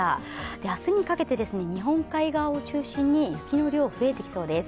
明日にかけて、日本海側を中心に雪の量が増えてきそうです。